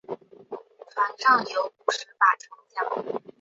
船上有五十把船浆。